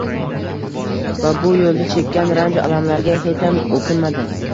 va bu yo‘lda chekkan ranju alamlariga hecham o‘kinmadi.